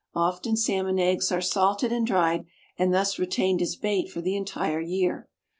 Often salmon eggs are salted and dried and thus retained as bait for the entire year.